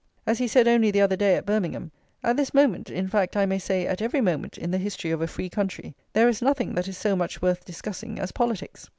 As he said only the other day at Birmingham: "At this moment, in fact, I may say at every moment in the history of a free country, there is nothing that is so much worth discussing as politics."